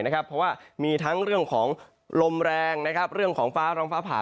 เพราะว่ามีทั้งเรื่องของลมแรงเรื่องของฟ้าร้องฟ้าผ่า